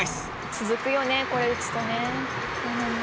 「続くよねこれ打つとね」